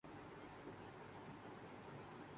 جیسا کہ انگریزی میں کہا جاتا ہے۔